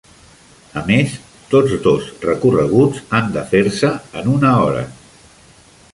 A més, tots dos recorreguts han de fer-se en una hora.